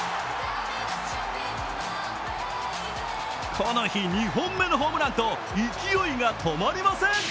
この日２本目のホームランと、勢いが止まりません。